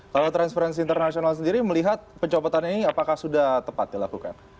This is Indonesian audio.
kalau transferensi internasional sendiri melihat pencopotan ini apakah sudah tepat dilakukan